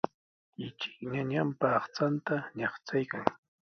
Ichik ñañanpa aqchanta ñaqchaykan.